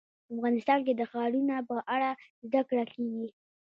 افغانستان کې د ښارونه په اړه زده کړه کېږي.